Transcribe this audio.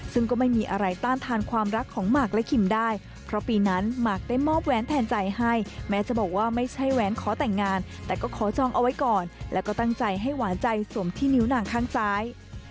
ซึ่งก็ไม่มีอะไรต้านทานความรักของหมากและคิมได้เพราะปีนั้นหมากได้มอบแว้นแทนใจให้แม้จะบอกว่าไม่ใช่แหวนขอแต่งงานแต่ก็ขอจองเอาไว้ก่อนแล้วก็ตั้งใจให้หวานใจสวมที่นิ้วหนังข้างซ้าย